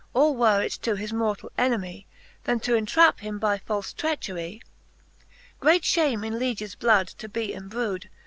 All were it to his mortall enemie. Then to entrap him by falfe treachcrie : Great fliame in lieges blood to be embrew'd.